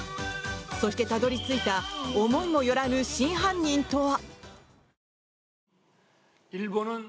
そしてたどりついた思いもよらぬ真犯人とは？